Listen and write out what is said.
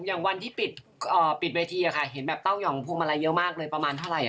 อย่างวันที่ปิดเวทีเห็นแบบเต้ายองพวงมาลัยเยอะมากเลยประมาณเท่าไหร่